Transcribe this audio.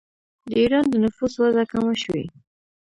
د ایران د نفوس وده کمه شوې.